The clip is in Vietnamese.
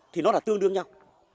thì nó là tương đương nhau